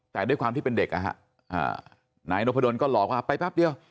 แต่ด้วยความที่เป็นเด็กนะฮะนายนพดลก็หลอกว่าไปแป๊บเดียว